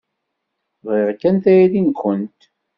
Bɣiɣ kan tayri-nwent.